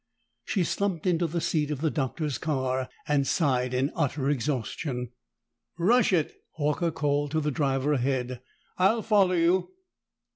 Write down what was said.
She slumped into the seat of the Doctor's car and sighed in utter exhaustion. "Rush it!" Horker called to the driver ahead. "I'll follow you."